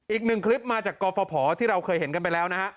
อีกหนึ่งคลิปมาจากกรฟภที่เราเคยเห็นกันไปแล้วนะฮะ